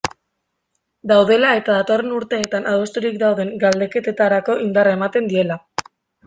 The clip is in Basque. Daudela eta datorren urteetan adosturik dauden galdeketetarako indarra ematen diela.